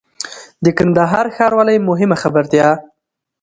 د کندهار ښاروالۍ مهمه خبرتيا